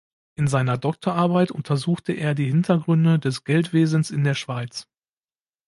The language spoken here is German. In seiner Doktorarbeit untersuchte er die Hintergründe des Geldwesens in der Schweiz.